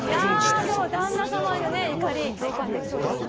旦那様への怒り共感できそうですね。